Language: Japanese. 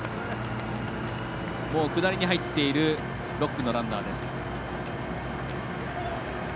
下りに入っている６区のランナーです。